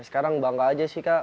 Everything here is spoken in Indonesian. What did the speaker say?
sekarang bangga aja sih kak